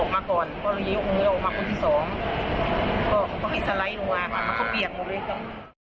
มันก็ทอดหาดอยู่ที่กลาง